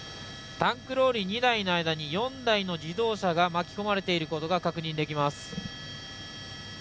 タンクローリー２台の間に４台の自動車が巻き込まれているのが確認できます。